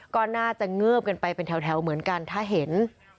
ก็น่าจะเงิบกันไปเป็นแถวเหมือนกันถ้าเห็น